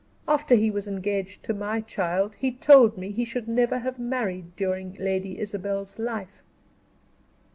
After he was engaged to my child, he told me he should never have married during Lady Isabel's life."